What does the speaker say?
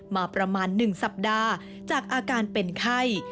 มาประมาณ๑สัปดาห์จากอาการเป็นไข้